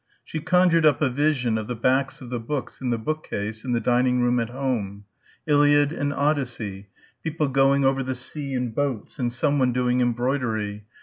She conjured up a vision of the backs of the books in the bookcase in the dining room at home.... Iliad and Odyssey ... people going over the sea in boats and someone doing embroidery